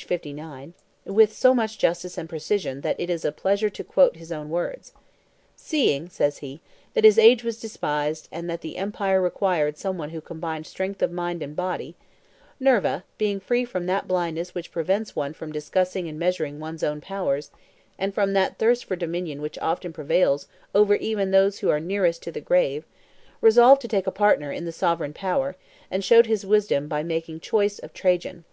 ii. p. 59), with so much justice and precision that it is a pleasure to quote his own words. "Seeing," says he, "that his age was despised, and that the empire required some one who combined strength of mind and body, Nerva, being free from that blindness which prevents one from discussing and measuring one's own powers, and from that thirst for dominion which often prevails over even those who are nearest to the grave, resolved to take a partner in the sovereign power, and showed his wisdom by making choice of Trajan."